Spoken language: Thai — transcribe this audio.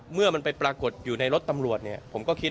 เมื่อมันไปปรากฏอยู่ในรถตำรวจเนี่ยผมก็คิด